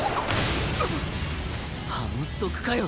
反則かよ